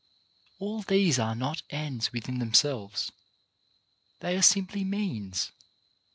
All these are not ends within themselves; they are simply means.